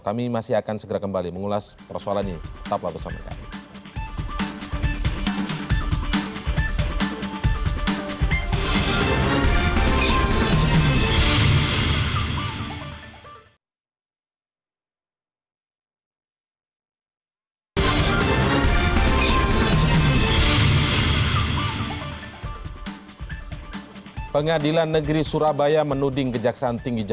kami masih akan segera kembali mengulas persoalan ini